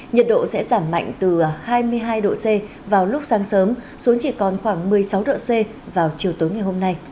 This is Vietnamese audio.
nhiệt độ sẽ giảm mạnh từ hai mươi hai độ c vào lúc sáng sớm xuống chỉ còn khoảng một mươi sáu độ c vào chiều tối ngày hôm nay